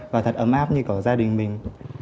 và thật ấm áp như của gia đình mình